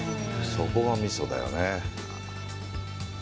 そこがミソだよね。